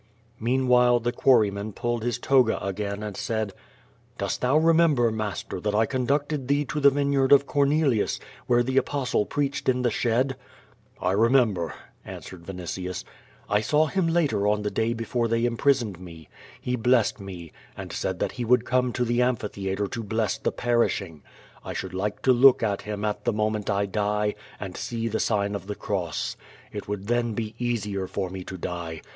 Meanwhile, the quarryman pulled his toga again and said: "Dost thou remember, master, that I conducted thee to the vineyard of Cornelius, where the A^H^stle preached in the shed?" 1 remember,^' answered Vinitius. ^I saw him later on the day befon^ they imprisoned me. He blessed me, and said that he would come to the amphi theatre to bless the perishing. I should like to look at him at the moment I die and see the sign o( the cross. It would then be easier for me to die.